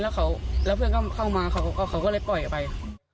แล้วเพื่อนก็เข้ามาเขาก็เลยปล่อยออกไป